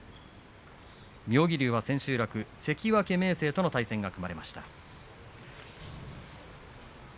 妙義龍は千秋楽、関脇明生との対戦が組まれました。